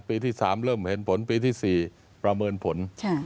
ปีที่๓เริ่มเห็นผลปีที่๔ประเมินผล